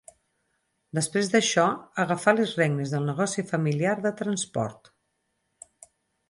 Després d'això agafà les regnes del negoci familiar de transport.